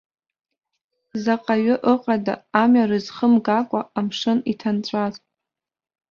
Заҟаҩы ыҟада амҩа рызхымгакәа амшын иҭанҵәаз?